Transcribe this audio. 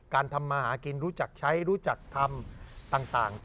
ทำมาหากินรู้จักใช้รู้จักทำต่าง